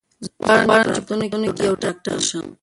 زه غواړم چې په راتلونکي کې یو ډاکټر شم.